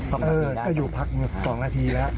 เออก็อยู่พัก๒นาทีแล้ว